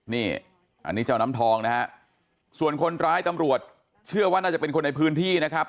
นี่อันนี้เจ้าน้ำทองนะฮะส่วนคนร้ายตำรวจเชื่อว่าน่าจะเป็นคนในพื้นที่นะครับ